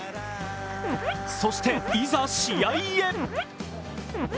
そして、いざ試合へ。